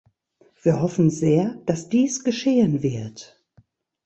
Wir hoffen sehr, dass dies geschehen wird.